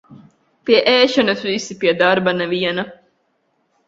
Pie ēšanas visi, pie darba neviena.